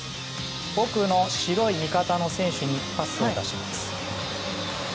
奥の白い味方の選手にパスを出します。